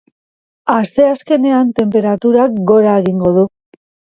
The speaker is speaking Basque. Asteazkenean tenperaturak gora egingo du.